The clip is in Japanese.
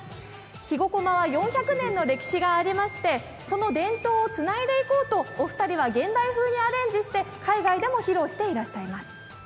肥後こまは４００年の歴史がありましてその伝統をつないでいこうとお二人は現代風にアレンジして海外でも披露していらっしゃいます。